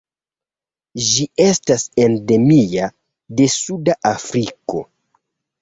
Ĝi estas endemia de suda Afriko.